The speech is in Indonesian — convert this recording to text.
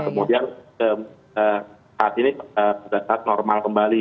kemudian saat ini pada saat normal kembali